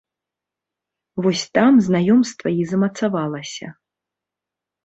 Вось там знаёмства і замацавалася.